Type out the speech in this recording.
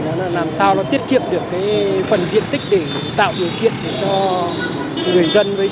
là làm sao nó tiết kiệm được cái phần diện tích để tạo điều kiện